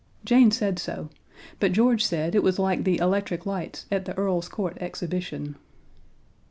Jane said so; but George said it was like the electric lights at the Earl's Court Exhibition.